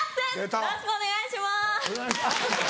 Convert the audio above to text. よろしくお願いします！